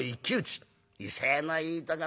威勢のいいとこだねえ。